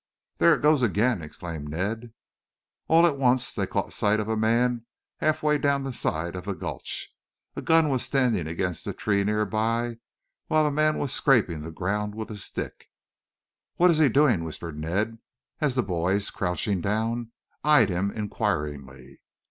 "There it goes again," exclaimed Ned. All at once they caught sight of a man half way down the side of the gulch. A gun was standing against a tree near by, while the man was scraping the ground with a stick. "What is he doing?" whispered Ned as the boys, crouching down, eyed him inquiringly.